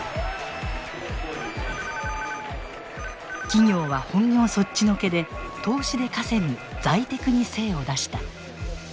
企業は本業そっちのけで投資で稼ぐ財テクに精を出した。